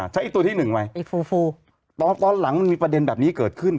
ใช้ไอ้ตัวที่หนึ่งไหมตอนหลังมันมีประเด็นแบบนี้เกิดขึ้น